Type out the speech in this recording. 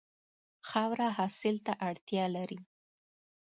خاوره حاصل ته اړتیا لري.